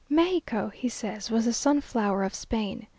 Mexico, he says, was the sunflower of Spain.